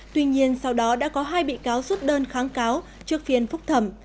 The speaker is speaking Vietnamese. tuy nhiên sau đó đã có hai bị cáo rút đơn kháng cáo trước phiên phúc thẩm